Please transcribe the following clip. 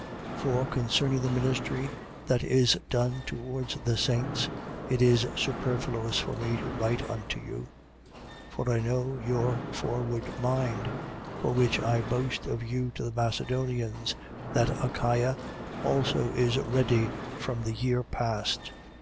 9:1. For concerning the ministry that is done towards the saints, it is superfluous for me to write unto you. 9:2. For I know your forward mind: for which I boast of you to the Macedonians, that Achaia also is ready from the year past.